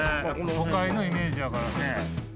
都会のイメージやからね。